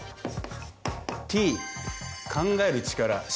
Ｔ考える力。